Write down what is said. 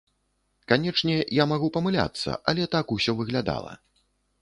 Канечне, я магу памыляцца, але так усё выглядала.